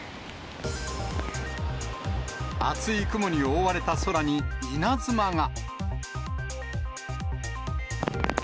厚い雲に覆われた空に稲妻が。